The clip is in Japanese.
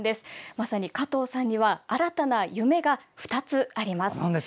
まさに加藤さんには新たな夢が２つあります。